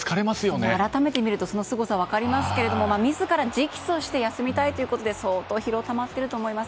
改めて見るとすごさも分かりますが自ら直訴して休みたいということで相当、疲労がたまっていると思います。